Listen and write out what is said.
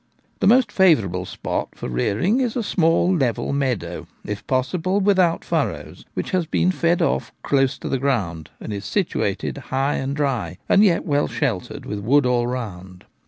The most favourable spot for rearing is a small level meadow, if possible without furrows, which has been fed off close to the ground and is situated high and dry, and yet well sheltered with wood all round.